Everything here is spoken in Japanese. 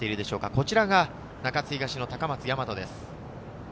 こちらが中津東の高松大翔です。